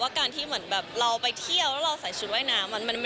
การที่เหมือนแบบเราไปเที่ยวแล้วเราใส่ชุดว่ายน้ำ